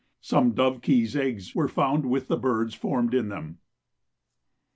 Some dovekies' eggs were found with the birds formed in them.